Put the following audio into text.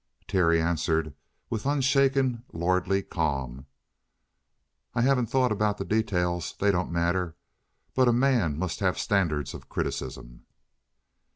Terry answered with unshaken, lordly calm. "I haven't thought about the details. They don't matter. But a man must have standards of criticism."